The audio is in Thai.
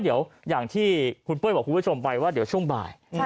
เดี๋ยวอย่างที่คุณปุ้ยบอกคุณผู้ชมไปว่าเดี๋ยวช่วงบ่าย